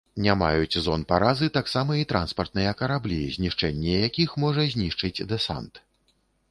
Не маюць зон паразы таксама і транспартныя караблі, знішчэнне якіх можа знішчыць дэсант.